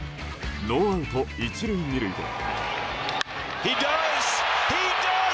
ノーアウト１塁２塁で。